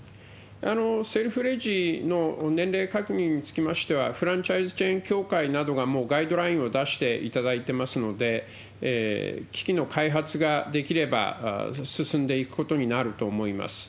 セルフレジの年齢確認につきましては、フランチャイズチェーン協会などがもうガイドラインを出していただいてますので、機器の開発ができれば進んでいくことになると思います。